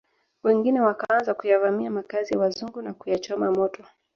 Wengine wakaanza kuyavamia makazi ya wazungu na kuyachoma moto